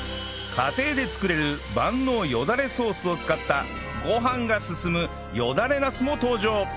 家庭で作れる万能よだれソースを使ったご飯が進むよだれナスも登場